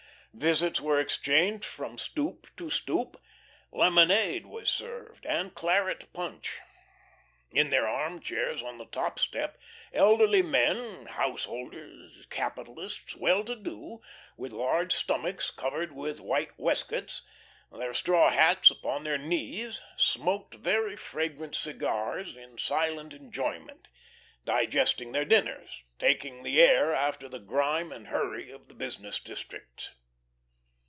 Visits were exchanged from "stoop" to "stoop," lemonade was served, and claret punch. In their armchairs on the top step, elderly men, householders, capitalists, well to do, their large stomachs covered with white waistcoats, their straw hats upon their knees, smoked very fragrant cigars in silent enjoyment, digesting their dinners, taking the air after the grime and hurry of the business districts.